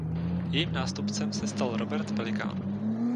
Jejím nástupcem se stal Robert Pelikán.